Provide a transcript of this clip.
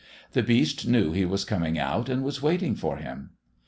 The beast knew he was coming out, and was waiting for him.